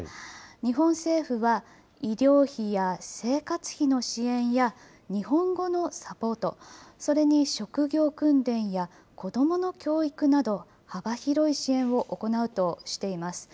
日本政府は、医療費や生活費の支援や、日本語のサポート、それに職業訓練や子どもの教育など、幅広い支援を行うとしています。